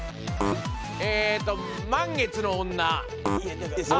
えっと満月の女。